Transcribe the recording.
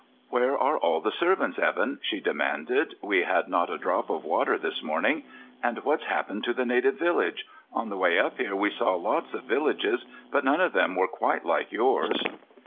"Where are all the servants, Evan?" she demanded. "We had not a drop of water this morning. And what's happened to the native village? On the way up here we saw lots of villages, but none of them were quite like yours."